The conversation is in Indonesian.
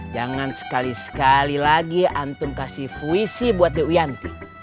jangan sekali sekali lagi antum kasih fuy si buat dia wianti